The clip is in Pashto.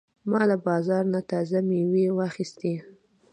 ما له بازار نه تازه مېوې واخیستې.